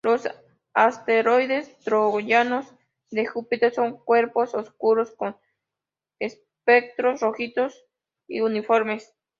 Los asteroides troyanos de Júpiter son cuerpos oscuros con espectros rojizos y uniformes.